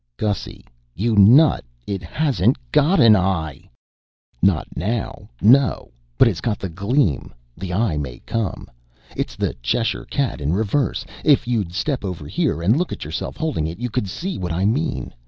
"Gussy, you nut, it hasn't got an eye." "Not now, no, but it's got the gleam the eye may come. It's the Cheshire cat in reverse. If you'd step over here and look at yourself holding it, you could see what I mean.